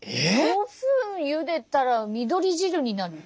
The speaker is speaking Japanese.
５分ゆでたら緑汁になるよ。